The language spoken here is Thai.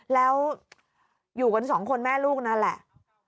แล้วอยู่กันสองคนแม่ลูกนั่นแหละ